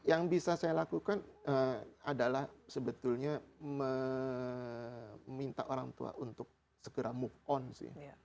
yang bisa saya lakukan adalah sebetulnya meminta orang tua untuk segera move on sih